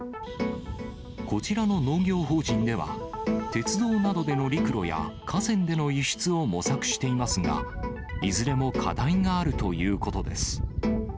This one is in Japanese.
こちらの農業法人では、鉄道などでの陸路や河川での輸出を模索していますが、いずれも課題があるということです。